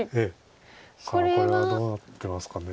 さあこれはどうなってますか。